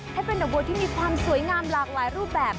ให้เป็นดอกบัวที่มีความสวยงามหลากหลายรูปแบบ